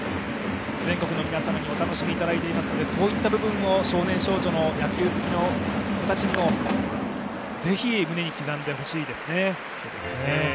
全国の皆様にお楽しみいただいていますけれども、そういった部分も少年・少女の野球好きの子たちにもぜひ胸に刻んでほしいですね。